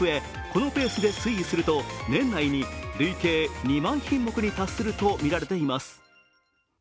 このペースで推移すると年内に累計２万品目に達するとみられています。